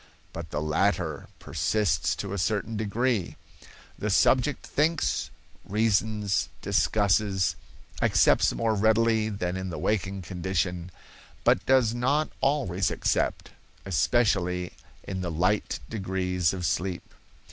But the latter persists to a certain degree; the subject thinks, reasons, discusses, accepts more readily than in the waking condition, but does not always accept, especially in the light degrees of sleep.